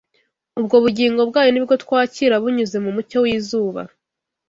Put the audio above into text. Ubwo bugingo bwayo ni bwo twakira bunyuze mu mucyo w’izuba